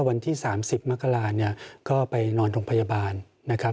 วันที่๓๐มกราเนี่ยก็ไปนอนโรงพยาบาลนะครับ